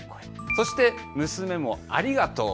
そして娘もありがとう！